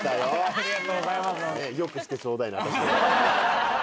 ありがとうございます。